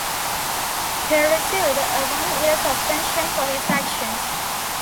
He received a one-year suspension for his actions.